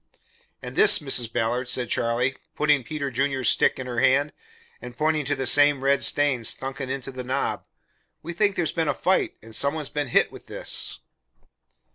"And this, Mrs. Ballard," said Charlie, putting Peter Junior's stick in her hand, and pointing to the same red stains sunken into the knob. "We think there's been a fight and some one's been hit with this."